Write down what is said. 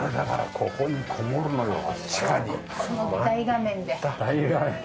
この大画面で。